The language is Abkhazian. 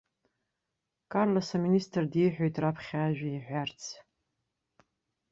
Карлос аминистр диҳәоит раԥхьа ажәа иҳәарц.